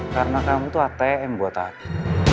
karena kamu atm buat aku